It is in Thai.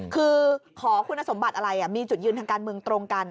คือขอคุณสมบัติอะไรมีจุดยืนทางการเมืองตรงกัน